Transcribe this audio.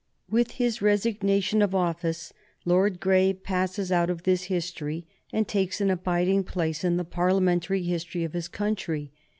With his resignation of office Lord Grey passes out of this history and takes an abiding place in the Parliamentary history of his country.